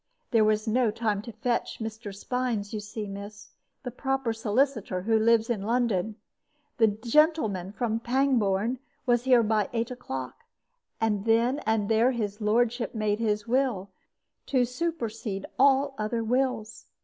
There was no time to fetch Mr. Spines, you see, miss, the proper solicitor, who lives in London. The gentleman from Pangbourne was here by eight o'clock; and then and there his lordship made his will, to supersede all other wills.